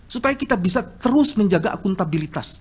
supaya kita bisa terus menjaga akuntabilitas